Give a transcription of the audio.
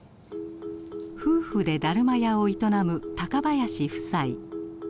夫婦でだるま屋を営む高林夫妻。